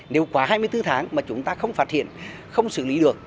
nếu quá hai mươi bốn tháng mà chúng ta không phát hiện không xử lý được